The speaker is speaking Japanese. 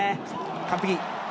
完璧。